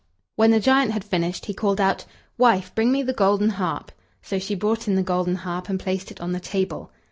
When the giant had finished, he called out: "Wife, bring me the golden harp!" So she brought in the golden harp, and placed it on the table.